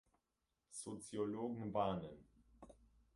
Soziologen warnen.